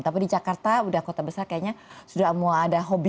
tapi di jakarta udah kota besar kayaknya sudah mulai ada hobi